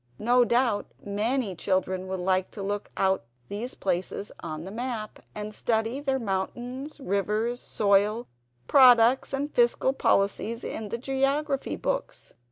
No doubt many children will like to look out these places on the map, and study their mountains, rivers, soil, products, and fiscal policies, in the geography books.